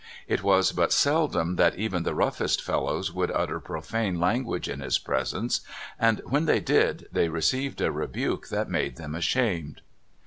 It was but seldom that even the roughest fellows would utter profane language in his presence, and when they did, they received a rebuke that made them ashamed.